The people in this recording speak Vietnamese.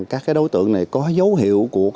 các đối tượng này có dấu hiệu của